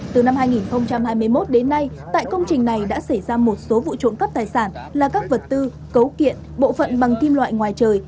từ năm hai nghìn hai mươi một đến nay tại công trình này đã xảy ra một số vụ trộm cắp tài sản là các vật tư cấu kiện bộ phận bằng kim loại ngoài trời